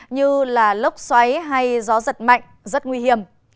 như lốc xoáy hay gió giật mạnh rất nguy hiểm